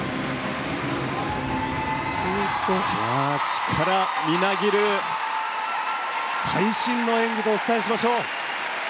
力みなぎる会心の演技とお伝えしましょう！